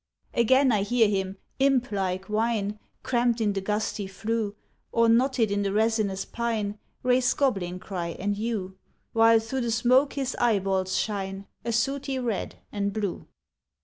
Again I hear him, imp like, whine Cramped in the gusty flue; Or knotted in the resinous pine Raise goblin cry and hue, While through the smoke his eyeballs shine, A sooty red and blue.